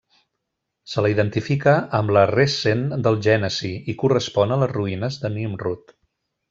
Se la identifica amb la Resen del Gènesi i correspon a les ruïnes de Nimrud.